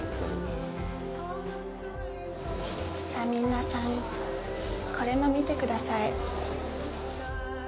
皆さん、これも見てください。